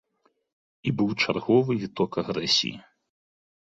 І быў чарговы віток агрэсіі.